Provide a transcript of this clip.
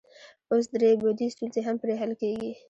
اوس درې بعدي ستونزې هم پرې حل کیږي.